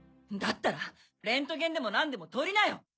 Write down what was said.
だったらレントゲンでも何でも撮りなよ！